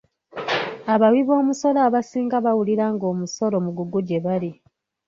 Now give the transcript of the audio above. Abawiboomisolo abasinga bawulira ng'omusolo mugugu gye bali.